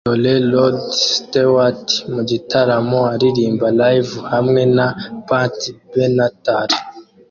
Dore Rod Stewart mu gitaramo aririmba Live hamwe na Pat Benatar